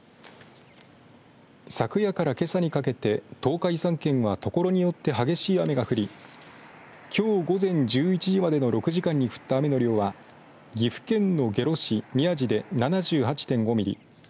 昨夜から、けさにかけて東海３県はところによって激しい雨が降りきょう午前１１時までの６時間に降った雨の量は岐阜県の下呂市宮地で７８．５ミリ